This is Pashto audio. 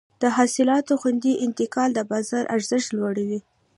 د حاصلاتو خوندي انتقال د بازار ارزښت لوړوي.